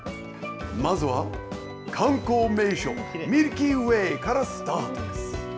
まずは観光名所、ミルキーウェイからスタートです。